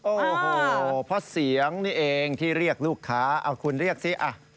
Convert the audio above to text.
โอ้โหเพราะเสียงนี่เองที่เรียกลูกค้าเอาคุณเรียกสิ